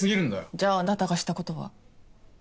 じゃああなたがしたことは？